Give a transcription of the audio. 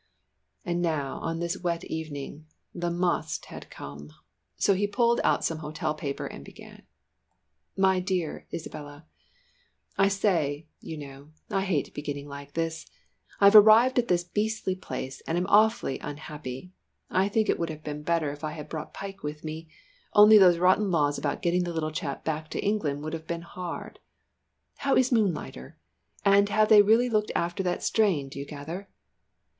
And now on this wet evening the "must" had come, so he pulled out some hotel paper and began. "MY DEAR ISABELLA: "I say you know I hate beginning like this I have arrived at this beastly place, and I am awfully unhappy. I think it would have been better if I had brought Pike with me, only those rotten laws about getting the little chap back to England would have been hard. How is Moonlighter? And have they really looked after that strain, do you gather?